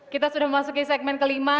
kita sudah memasuki segmen kelima